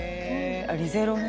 「リゼロ」ね。